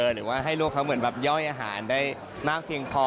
หรือว่าให้ลูกเขาเหมือนแบบย่อยอาหารได้มากเพียงพอ